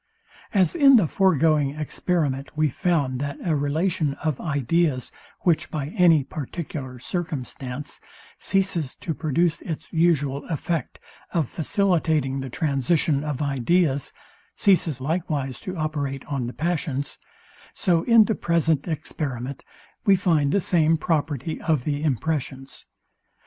As in the foregoing experiment we found, that a relation of ideas, which, by any particular circumstance, ceases to produce its usual effect of facilitating the transition of ideas, ceases likewise to operate on the passions; so in the present experiment we find the same property of the impressions.